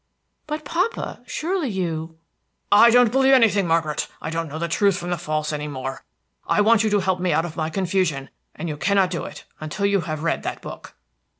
"But, papa, surely you" "I don't believe anything, Margaret! I don't know the true from the false any more! I want you to help me out of my confusion, and you cannot do it until you have read that book."